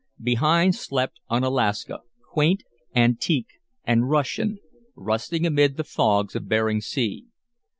Behind slept Unalaska, quaint, antique, and Russian, rusting amid the fogs of Bering Sea.